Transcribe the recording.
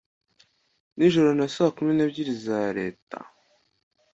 nijoro na saa kumi n ebyiri za leta